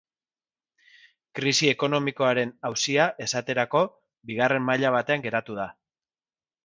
Krisi ekonomikoaren auzia, esaterako, bigarren maila batean geratu da.